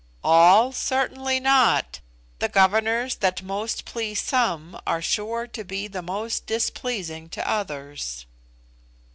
"All! Certainly not; the governors that most please some are sure to be those most displeasing to others."